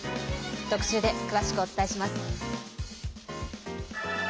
特集で詳しくお伝えします。